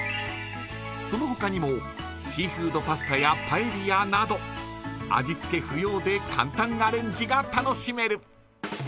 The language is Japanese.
その他にもシーフードパスタやパエリアなど、味付け不要で簡単アレンジが楽しめる。